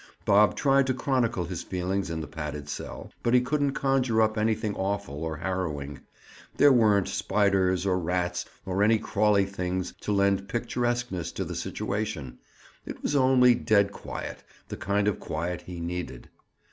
Bob tried to chronicle his feelings in the padded cell, but he couldn't conjure up anything awful or harrowing. There weren't spiders, or rats, or any crawly things to lend picturesqueness to the situation. It was only deadly quiet—the kind of quiet he needed.